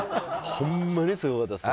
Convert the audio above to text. ホンマにすごかったですね。